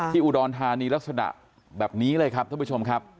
อุดรธานีลักษณะแบบนี้เลยครับท่านผู้ชมครับ